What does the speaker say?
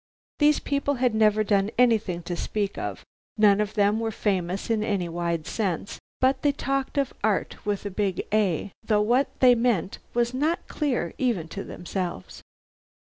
These people had never done anything to speak of, none of them were famous in any wide sense, but they talked of art with a big "A," though what they meant was not clear even to themselves.